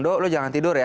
do lu jangan tidur ya